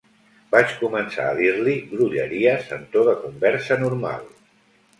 Vaig començar a dir-li grolleries en to de conversa normal.